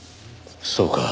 そうか。